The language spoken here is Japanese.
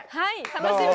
楽しみ。